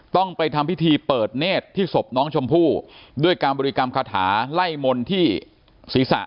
ต้องไปทำพิธีเปิดเนธที่ศพน้องชมพู่ด้วยการบริกรรมคาถาไล่มนต์ที่ศีรษะ